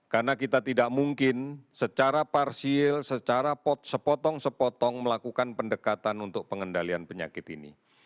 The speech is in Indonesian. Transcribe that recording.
karena kita tidak mungkin secara parsil secara sepotong sepotong melakukan pendekatan untuk pengendalian penyakit ini